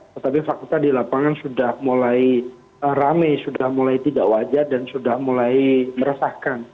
tetapi fakta di lapangan sudah mulai rame sudah mulai tidak wajar dan sudah mulai meresahkan